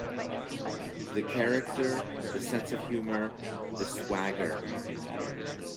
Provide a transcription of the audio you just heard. The character, the sense of humour, the swagger.